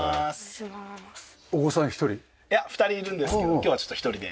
お子さん１人？いや２人いるんですけど今日はちょっと１人で。